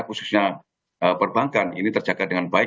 khususnya perbankan ini terjaga dengan baik